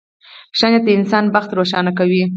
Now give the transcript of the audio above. • ښه نیت د انسان بخت روښانه کوي.